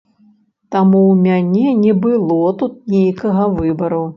Таму ў мяне не было тут нейкага выбару.